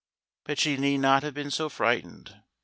But she need not have been so frightened.